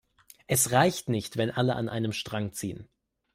Es reicht nicht, wenn alle an einem Strang ziehen.